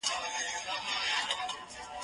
زه پرون ځواب وليکه؟!